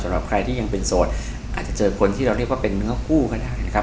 สำหรับใครที่ยังเป็นโสดอาจจะเจอคนที่เราเรียกว่าเป็นเนื้อคู่ก็ได้นะครับ